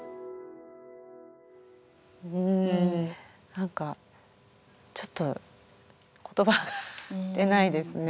なんかちょっと言葉が出ないですね。